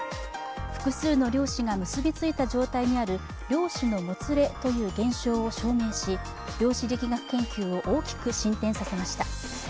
複数の量子が結び付いた状態にある量子のもつれという現象を証明し、量子力学研究を大きく進展させました。